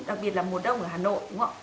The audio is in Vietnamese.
đặc biệt là mùa đông ở hà nội